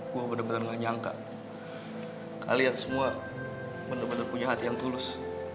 gue bener bener gak nyangka kalian semua benar benar punya hati yang tulus